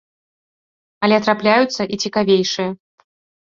Але трапляюцца і цікавейшыя.